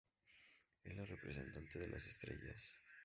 Es la representante de las estrellas.